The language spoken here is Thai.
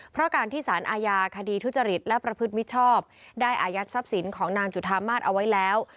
เพราะการที่สารอาญาคดีทุจริตและประพฤติมิชชอบได้อายัดทรัพย์สินของนางจุธามาศเอาไว้แล้ว